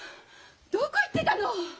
どこ行ってたの！？